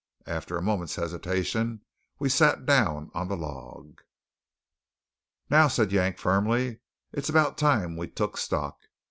After a moment's hesitation we sat down on the log. "Now," said Yank firmly, "it's about time we took stock.